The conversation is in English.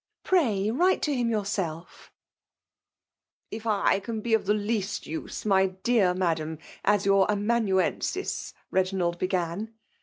Pray write to him yourself !"'' If / can be of the least use, my dear Ma dam, as your amanuensis," — ^Beginald began.